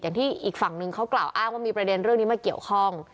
ที่อีกฝั่งนึงเขากล่าวอ้างว่ามีประเด็นเรื่องนี้มาเกี่ยวข้อง